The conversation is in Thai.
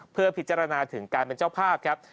เพื่อพิจารณาถึงการเป็นเจ้าภาพครับ